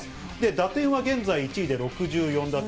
打点は現在１位で６４打点。